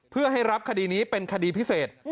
เพื่อให้รับคดีนี้เป็นคดีพิเศษ